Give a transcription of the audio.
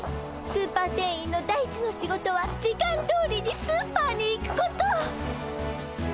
スーパー店員の第一の仕事は時間どおりにスーパーに行くこと。